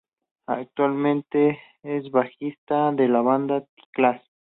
Actualmente es bajista de la banda The Cash.